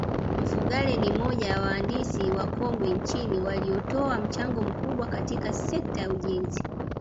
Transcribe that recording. Mfugale ni moja ya waandisi wakongwe nchini waliotoa mchango mkubwa katika sekta ya ujenzi